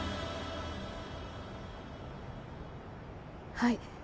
はい。